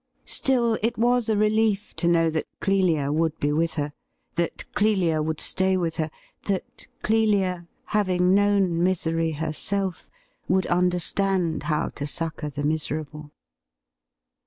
Still, it was a relief to know that Clelia would be with her — that Clelia would stay with her — that Clelia, having known misery herself, would understand how to succour the miserable.